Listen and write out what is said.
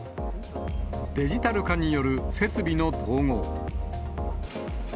デジタル化による設備の統合。